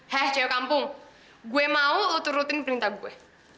hei cewek kampung gue mau lo turutin perintah gue